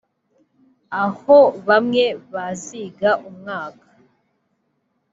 aho bamwe baziga umwaka